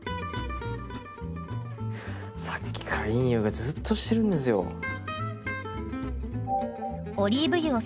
さっきからいい匂いがずうっとしてるんですよ。